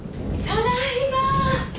ただいま！